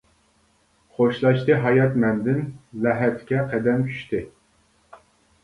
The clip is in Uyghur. خوشلاشتى ھايات مەندىن، لەھەتكە قەدەم چۈشتى.